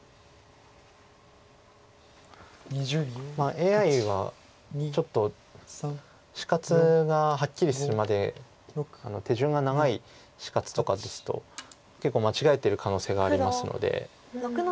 ＡＩはちょっと死活がはっきりするまで手順が長い死活とかですと結構間違えてる可能性がありますので。